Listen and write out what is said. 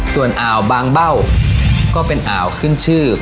ส่วนอ่าวบางเบ้าก็เป็นอ่าวขึ้นชื่อ